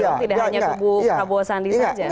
itu tidak hanya kubu prabowo sandi saja